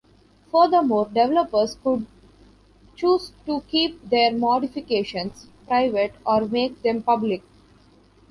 Furthermore, developers could choose to keep their modifications private or make them public.